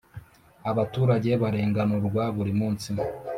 Abaturage barenganurwa burimunsi.